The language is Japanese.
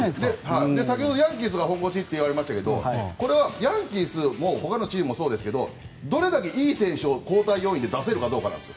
先ほどヤンキースが欲しいといわれましたがこれは、ヤンキースももうほかのチームもそうですがどれだけいい選手を交代で出せるかなんです。